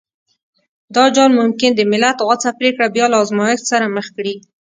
دا جال ممکن د ملت غوڅه پرېکړه بيا له ازمایښت سره مخ کړي.